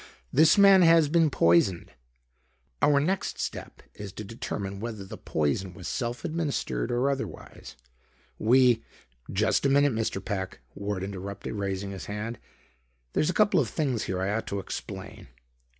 "This man has been poisoned. Our next step is to determine whether the poison was self administered or otherwise. We...." "Just a minute, Mr. Peck," Ward interrupted, raising his hand. "There's a couple of things here I ought to explain."